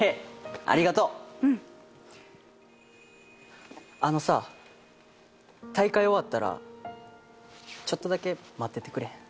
ありがとううんあのさ大会終わったらちょっとだけ待っててくれへん？